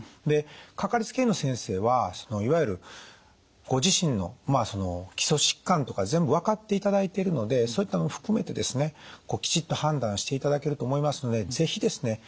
でかかりつけ医の先生はいわゆるご自身の基礎疾患とか全部分かっていただいてるのでそういったもの含めてですねきちっと判断していただけると思いますので是非ですね